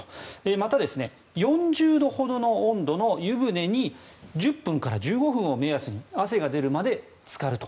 また、４０度ほどの温度の湯船に１０分から１５分を目安に汗が出るまでつかると。